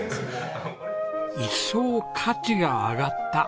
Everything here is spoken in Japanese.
「一層価値が上がった」。